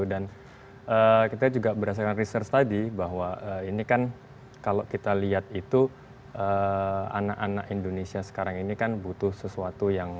dan kita juga berhasil research tadi bahwa ini kan kalau kita lihat itu anak anak indonesia sekarang ini kan butuh sesuatu yang